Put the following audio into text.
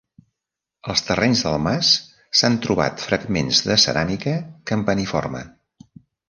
Als terrenys del mas s'han trobat fragments de ceràmica campaniforme.